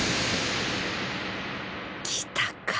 来たか。